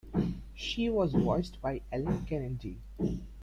She was voiced by Ellen Kennedy.